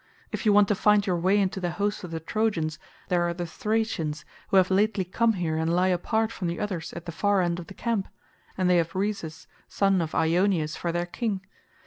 If you want to find your way into the host of the Trojans, there are the Thracians, who have lately come here and lie apart from the others at the far end of the camp; and they have Rhesus son of Eioneus for their king.